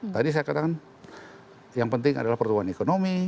tadi saya katakan yang penting adalah pertumbuhan ekonomi